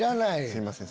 すいません。